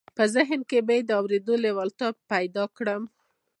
په ذهن کې به یې د اورېدو لېوالتیا پیدا کړم